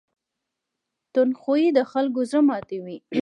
تند خوی د خلکو زړه ماتوي.